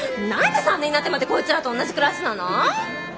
何で３年になってまでこいつらと同じクラスなの？